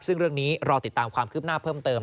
ซึ่งเรื่องนี้รอติดตามความคืบหน้าเพิ่มเติม